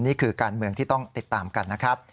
นี่คือการเมืองที่ต้องติดตามกันนะครับ